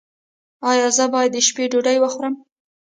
ایا زه باید د شپې ډوډۍ وخورم؟